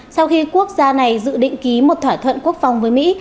sau khi quốc gia này dự định ký một thỏa thuận quốc phòng với mỹ